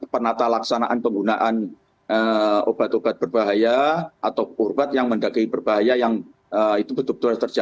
penata laksanaan penggunaan obat obat berbahaya atau ubat yang mendakwa berbahaya yang itu betul betul harus terjaga